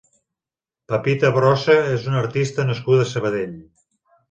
Pepita Brossa és una artista nascuda a Sabadell.